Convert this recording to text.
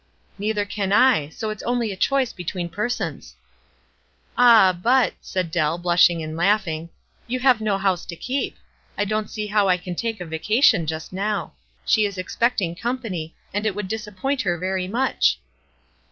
"Neither can I ; so it ? s only a choice between persons." "Ah, but," said Dell, blushing and laughing, "you have no house to keep. I don't see how I can take a vacation just now. She is expect ing company, and it would disappoint her very much."